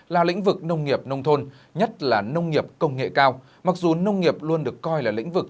là lĩnh vực nông nghiệp nông thôn nhất là nông nghiệp công nghệ cao mặc dù nông nghiệp luôn được coi là lĩnh vực